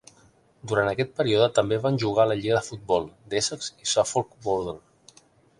Durant aquest període, també van jugar a la lliga de futbol d'Essex i Suffolk Border,